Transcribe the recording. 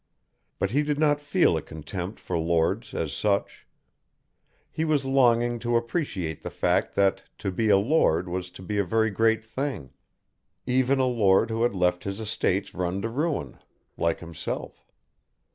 But he did not feel a contempt for Lords as such. He was longing to appreciate the fact that to be a Lord was to be a very great thing. Even a Lord who had let his estates run to ruin like himself.